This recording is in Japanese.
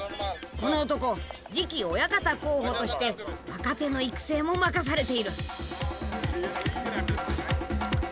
この男次期親方候補として若手の育成も任されている。